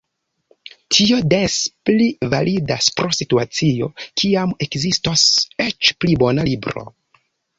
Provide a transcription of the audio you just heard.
Tio des pli validas por situacio kiam ekzistos eĉ pli bona libro.